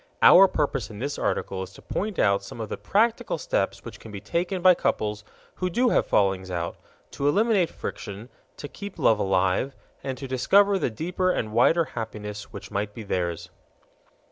Our purpose in this article is to point out some of the practical steps which can be taken by couples who do have fallings out, to eliminate friction, to keep love alive, and to discover the deeper and wider happiness which might be theirs.